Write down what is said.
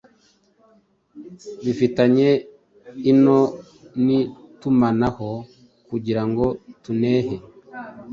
Bifitanye iano nitumanaho kugirango tunehe